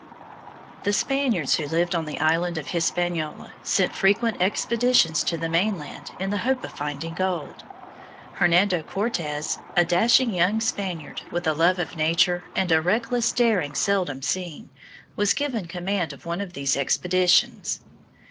The Spaniards who lived on the island of Hispaniola sent frequent expeditions to the mainland in the hope of finding gold. Hernando Cortes, a dashing young Spaniard with a love of adventure and a reckless daring seldom seen, was given command of one of these expeditions.